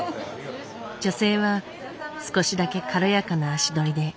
女性は少しだけ軽やかな足取りで帰っていった。